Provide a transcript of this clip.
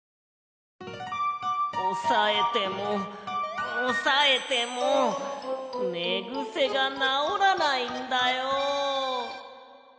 おさえてもおさえてもねぐせがなおらないんだよ。